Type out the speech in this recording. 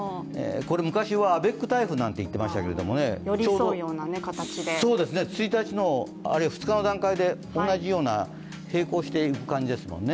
昔はアベック台風なんていってましたけど１日、あるいは２日の段階で同じような平行していくような感じですもんね